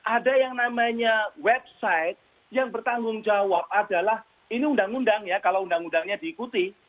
ada yang namanya website yang bertanggung jawab adalah ini undang undang ya kalau undang undangnya diikuti